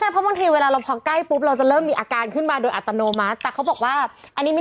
พอพอเกลี่ยวปุ๊บเราจะเริ่มมีอาการขึ้นมาโดยอัตโนมัติ